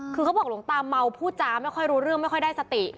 คือเขาบอกหลวงตาเมาพูดจาไม่ค่อยรู้เรื่องไม่ค่อยได้สติ